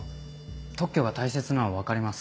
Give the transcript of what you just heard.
特許が大切なのは分かります。